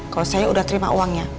kalau saya udah terima uangnya